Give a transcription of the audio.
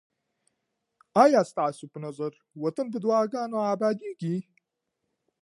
آیا ستاسو په نظر وطن په دعاګانو اباديږي؟